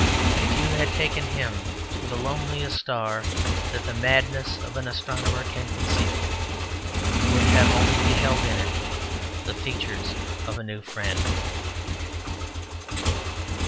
If you had taken him to the loneliest star that the madness of an astronomer can conceive, he would have only beheld in it the features of a new friend.